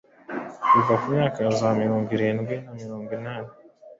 kuva mu myaka ya za mirongo irindwi na mirongo inani